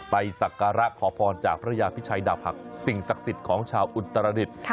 สักการะขอพรจากพระยาพิชัยดาบหักสิ่งศักดิ์สิทธิ์ของชาวอุตรดิษฐ์